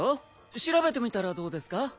調べてみたらどうですか？